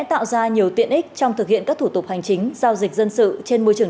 tạo ra nhiều tiện ích trong thực hiện các thủ tục hành chính giao dịch dân sự trên môi trường